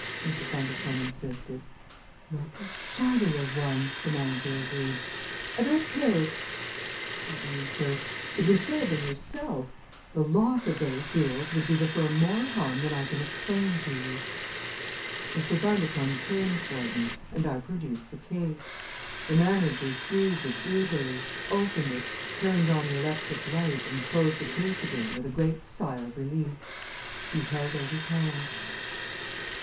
Mr. Bundercombe insisted. "Not the shadow of one!" the manager agreed. "I don't care if pardon me, sir if you stole them yourself! The loss of those jewels would do the firm more harm than I can explain to you." Mr. Bundercombe turned toward me and I produced the case. The manager seized it eagerly, opened it, turned on the electric light and closed the case again with a great sigh of relief. He held out his hand.